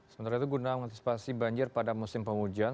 sementara itu guna mengantisipasi banjir pada musim penghujan